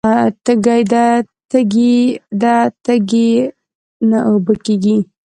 تږې ده تږې نه اوبه کیږي